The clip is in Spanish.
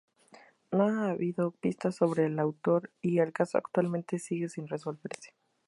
No ha habido pistas sobre el autor y el caso actualmente sigue sin resolverse.